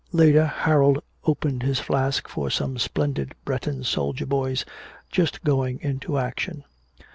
Later Harold opened his flask for some splendid Breton soldier boys just going into action.